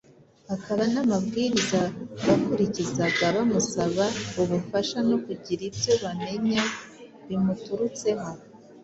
akaba n’amabwiriza bakurikizaga bamusaba ubufasha no kugira ibyo bamenya bimuturutseho.